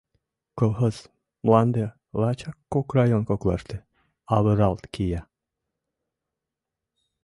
Колхоз мланде лачак кок район коклаште авыралт кия.